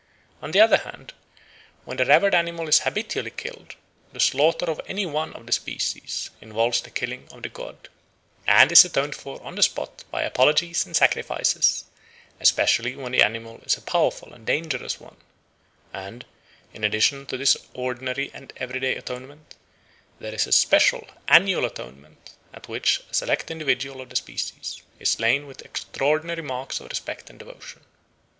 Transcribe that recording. On the other hand, when the revered animal is habitually killed, the slaughter of any one of the species involves the killing of the god, and is atoned for on the spot by apologies and sacrifices, especially when the animal is a powerful and dangerous one; and, in addition to this ordinary and everyday atonement, there is a special annual atonement, at which a select individual of the species is slain with extraordinary marks of respect and devotion.